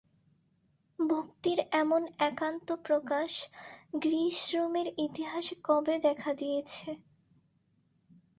ভক্তির এমন একান্ত প্রকাশ গ্রীস-রোমের ইতিহাসে কবে দেখা দিয়েছে?